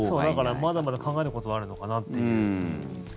まだまだ考えることはあるのかなっていう。